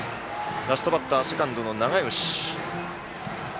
ラストバッター、セカンドの永吉。